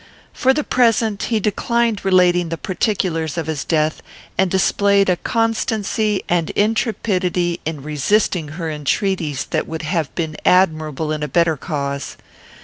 For the present he declined relating the particulars of his death, and displayed a constancy and intrepidity in resisting her entreaties that would have been admirable in a better cause.